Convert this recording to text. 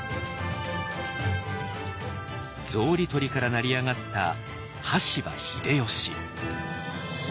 草履取りから成り上がった羽柴秀吉。